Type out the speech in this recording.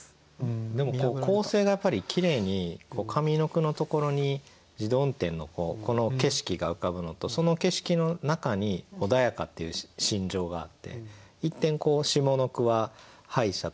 でも構成がやっぱりきれいに上の句のところに自動運転のこの景色が浮かぶのとその景色の中に穏やかっていう心情があって一転下の句は「歯医者」と「ざわめく」。